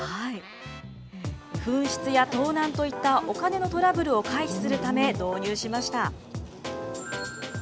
紛失や盗難といったお金のトラブルを回避するため導入しました。